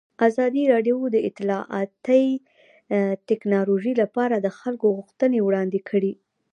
ازادي راډیو د اطلاعاتی تکنالوژي لپاره د خلکو غوښتنې وړاندې کړي.